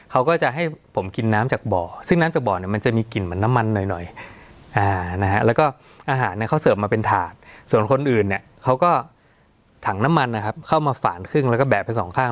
เขาก็ถังน้ำมันนะครับเข้ามาฝ่านครึ่งแล้วก็แบบไปสองข้าง